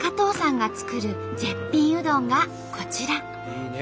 いいね